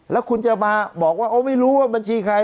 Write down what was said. แล้วคุณจะมาบอกว่าไม่รู้ว่าบัญชีใคร